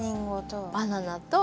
バナナと。